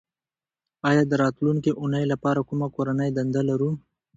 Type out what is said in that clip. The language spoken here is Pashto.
ایا د راتلونکې اونۍ لپاره کومه کورنۍ دنده لرو